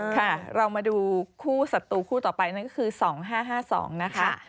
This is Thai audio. ค่ะเรามาดูคู่ศัตรูคู่ต่อไปนั่นก็คือ๒๕๕๒นะคะ